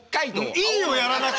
いいよやらなくて。